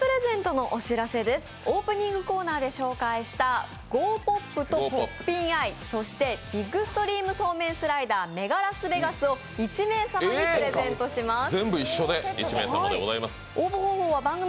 オープニングコーナーで紹介したＧｏＰｏｐ！とポッピンアイそしてビッグストリームそうめんスライダーメガラスベガスを１名様にプレゼントします。